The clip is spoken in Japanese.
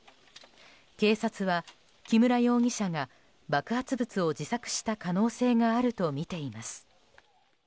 警察は、木村容疑者が爆発物を自作した可能性があるとみています。